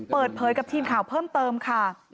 เปิดเผยกับทีมข่าวเพิ่มเติมค่ะ